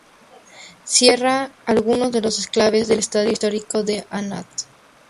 Cierra algunos de los enclaves del estado histórico de Anhalt.